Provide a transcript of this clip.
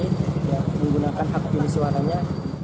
menggunakan hak pilih suaranya